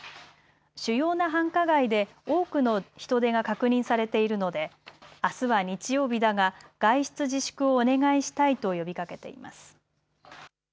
主要な繁華街で多くの人出が確認されているのであすは日曜日だが、外出自粛をお願いしたいと呼びかけています。